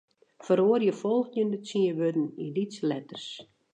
Feroarje folgjende tsien wurden yn lytse letters.